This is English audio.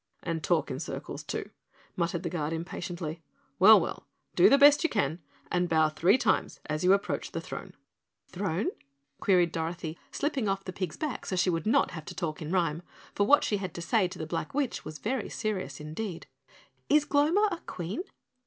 "And talk in circles, too," muttered the Guard impatiently. "Well, well do the best you can and bow three times as you approach the throne." "Throne?" queried Dorothy, slipping off the pig's back so she would not have to talk in rhyme, for what she had to say to the black witch was very serious indeed. "Is Gloma a Queen?"